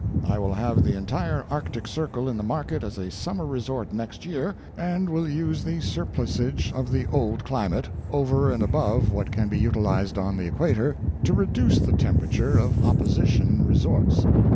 I will have the entire Arctic Circle in the market as a summer resort next year, and will use the surplusage of the old climate, over and above what can be utilized on the equator, to reduce the temperature of opposition resorts.